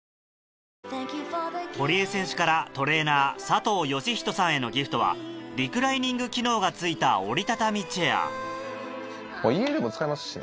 堀江選手からトレーナー佐藤義人さんへのギフトはリクライニング機能が付いた折り畳みチェア家でも使えますしね。